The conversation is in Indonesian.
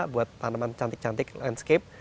buat tanaman cantik cantik landscape